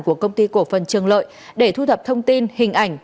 của công ty cổ phần trường lợi để thu thập thông tin hình ảnh